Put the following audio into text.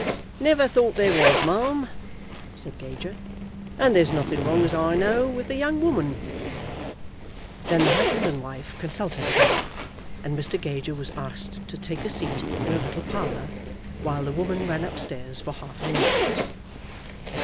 "Never thought there was, ma'am," said Gager. "And there's nothing wrong as I know of with the young woman." Then the husband and wife consulted together, and Mr. Gager was asked to take a seat in a little parlour, while the woman ran up stairs for half an instant.